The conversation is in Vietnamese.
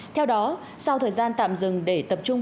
theo đó sau thời gian tạm dừng để tập trung